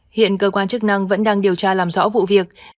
hiện cơ quan chức năng vẫn đang điều tra làm rõ vụ việc